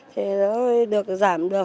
thế đó được giảm được